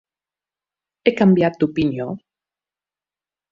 He canviat d'opinió.